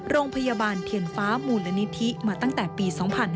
โรงพยาบาลเทียนฟ้ามูลนิธิมาตั้งแต่ปี๒๕๕๙